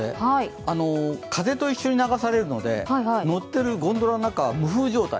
風と一緒に流されるので乗ってるゴンドラの中は無風状態。